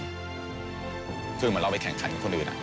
คือเหมือนเราไปแข่งขันกับคนอื่น